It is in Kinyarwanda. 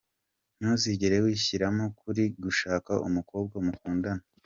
Ntuzigere wishyiramo ko uri gushaka umukobwa mukundana.